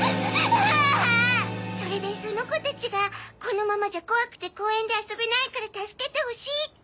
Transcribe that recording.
それでその子たちがこのままじゃ怖くて公園で遊べないから助けてほしいって。